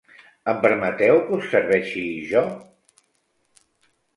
Em permeteu que us serveixi jo?